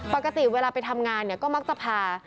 ปกติไปทำงานก็มาขาพา